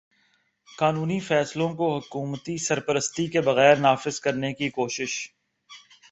قانونی فیصلوں کو حکومتی سرپرستی کے بغیر نافذ کرنے کی کوشش